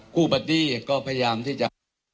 คู่ปฏิก็พยายามที่จะ